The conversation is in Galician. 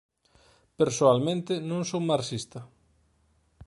Persoalmente non son marxista;